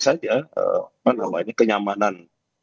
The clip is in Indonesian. saja mbak puan ini kenyamanan